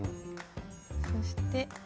そして。